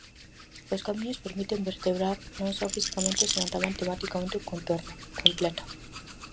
"Os camiños permiten vertebrar non só fisicamente senón tamén tematicamente o contorno", completa.